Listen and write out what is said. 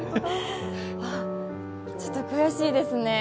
ちょっと悔しいですね。